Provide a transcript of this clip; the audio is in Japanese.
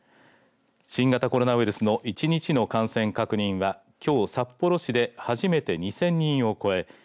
新型コロナウイルスの１日の感染確認はきょう、札幌市で初めて２０００人を超え